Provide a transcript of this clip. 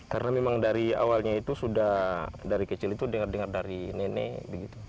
karena memang dari awalnya itu sudah dari kecil itu dengar dengar dari nenek begitu